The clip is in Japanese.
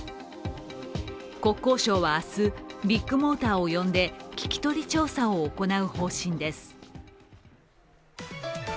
国交省は明日、ビッグモーターを呼んで聞き取り調査を行う方針です。